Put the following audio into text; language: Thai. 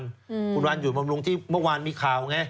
อืมคุณวันอยู่บำรุงที่เมื่อวานมีข่าวไง